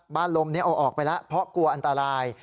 ลมนี้เอาออกไปแล้วเพราะกลัวอันตราย